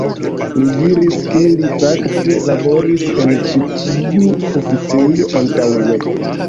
Li diris, ke li fakte laboris en ĉi tiu oficejo antaŭe.